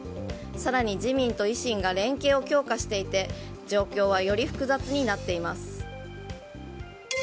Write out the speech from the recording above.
更に、自民と維新が連携を強化していて状況はより複雑になっています。